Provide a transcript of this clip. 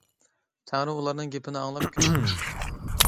تەڭرى ئۇلارنىڭ گېپىنى ئاڭلاپ، كۈلۈپ كېتىپتۇ.